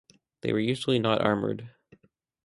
They were usually not armoured.